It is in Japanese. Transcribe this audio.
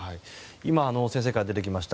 今、先生から出てきました